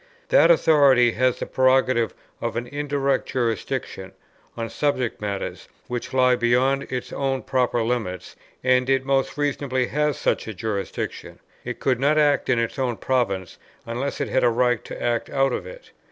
That authority has the prerogative of an indirect jurisdiction on subject matters which lie beyond its own proper limits, and it most reasonably has such a jurisdiction. It could not act in its own province, unless it had a right to act out of it.